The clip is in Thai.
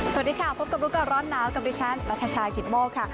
สวัสดีค่ะพบกับรู้ก่อนร้อนหนาวกับดิฉันนัทชายกิตโมกค่ะ